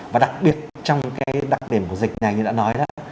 và đặc biệt trong cái đặc điểm của dịch này như đã nói đó